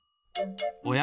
おや？